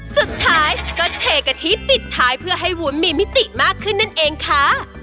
สุดท้ายก็เทกะทิปิดท้ายเพื่อให้วุ้นมีมิติมากขึ้นนั่นเองค่ะ